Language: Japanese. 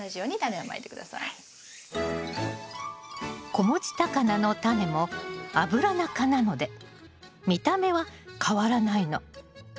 子持ちタカナのタネもアブラナ科なので見た目は変わらないの。